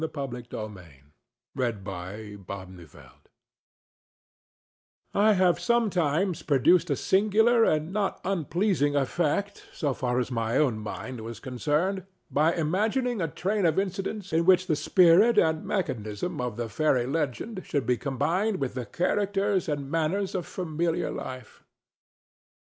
THE THREEFOLD DESTINY A FAËRY LEGEND I have sometimes produced a singular and not unpleasing effect, so far as my own mind was concerned, by imagining a train of incidents in which the spirit and mechanism of the faëry legend should be combined with the characters and manners of familiar life.